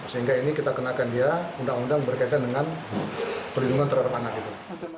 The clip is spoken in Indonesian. sehingga ini kita kenakan dia undang undang berkaitan dengan perlindungan terhadap anak itu